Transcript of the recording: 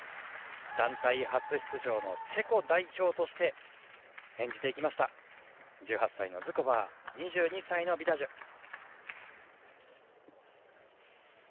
団体初出場のチェコ代表として演じていきました１８歳のズコバーと２２歳のビダジュ。